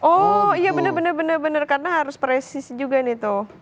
oh iya bener bener karena harus presisi juga nih tuh